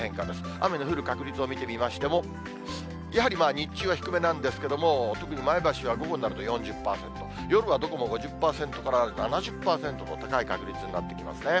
雨の降る確率を見てみましても、やはり日中は低めなんですけれども、特に前橋は午後になると４０％、夜はどこも５０％から７０％と、高い確率になってきますね。